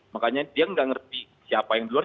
makanya dia nggak ngerti siapa yang di luar